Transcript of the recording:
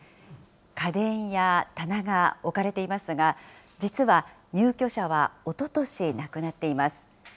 家電や棚が置かれていますが、実は、入居者はおととし亡くなっています。